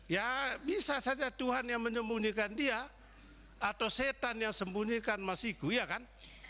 ya bisa saja tuhan yang menyembunyikan dia atau setan yang sembunyikan masiku ya kan